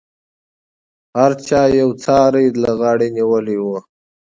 هر چا یو یو څاری له غاړې نیولی و.